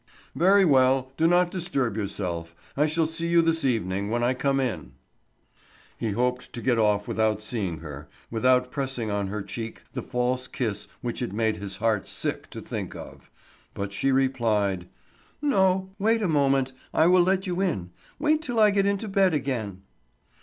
"Very well, do not disturb yourself. I shall see you this evening, when I come in." He hoped to get off without seeing her, without pressing on her cheek the false kiss which it made his heart sick to think of. But she replied: "No. Wait a moment. I will let you in. Wait till I get into bed again."